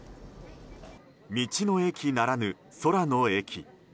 道の駅ならぬ空の駅。